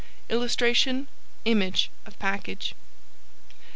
[Illustration: Image of package.